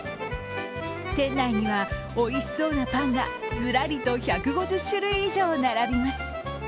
店内にはおいしそうなパンがずらりと１５０種類以上並びます。